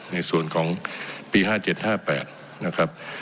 ในส่วนของปี๕๗๕๘นะครับ